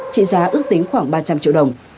trị giá ước tính khoảng ba trăm linh triệu đồng